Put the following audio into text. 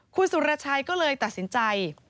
คุณสุรชัยก็เลยตัดสินใจ